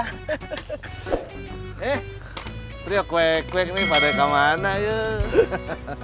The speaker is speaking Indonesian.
eh pria kwek kwek nih pada kemana yuk